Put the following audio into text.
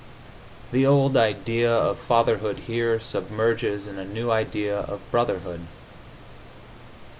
The old idea of fatherhood here submerges in a new idea of brotherhood.